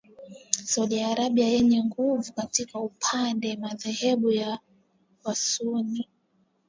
Saudi Arabia yenye nguvu katika upande madhehebu ya wasunni